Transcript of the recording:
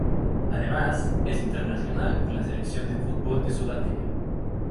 Además, es internacional con la selección de fútbol de Sudáfrica.